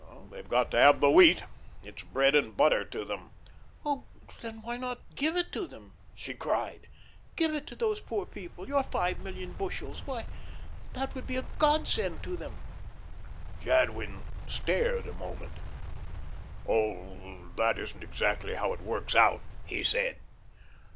They've got to have the wheat it's bread 'n' butter to them." "Oh, then why not give it to them?" she cried. "Give it to those poor people your five million bushels. Why, that would be a godsend to them." Jadwin stared a moment. "Oh, that isn't exactly how it works out," he said.